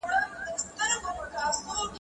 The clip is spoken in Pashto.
د لنډې اونۍ ازموینې د تولید په کیفیت هم اغېز کوي.